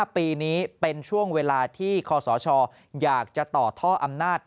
ปีนี้เป็นช่วงเวลาที่คศอยากจะต่อท่ออำนาจ